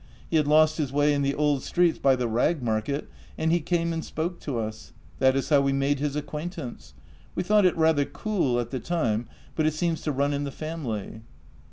He had lost his way in the old streets by the rag market, and he came and spoke to us. That is how we made his acquaintance. We thought it rather cool at the time, but it seems to run in the family."